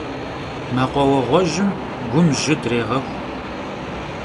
Mekhuaueğuejım gum jı drêğexu.